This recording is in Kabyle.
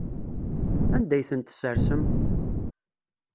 Anda ay tent-tessersem?